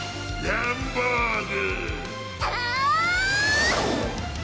ランボーグ！